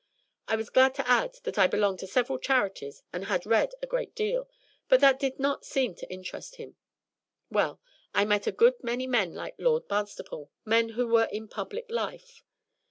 I was glad to add that I belonged to several charities and had read a great deal; but that did not seem to interest him. Well, I met a good many men like Lord Barnstaple, men who were in public life.